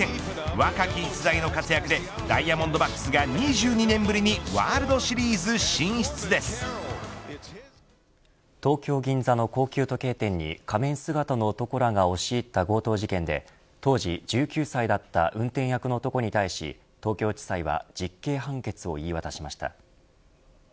若き逸材の活躍でダイヤモンドバックスが２２年ぶりに東京・銀座の高級時計店に仮面姿の男らが押し入った強盗事件で当時１９歳だった運転役の男に対し東京地裁は実刑判決を言い渡しました。